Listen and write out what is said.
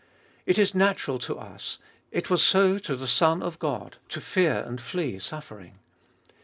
It is natural to us, it was so to the Son of God, to fear and flee suffering.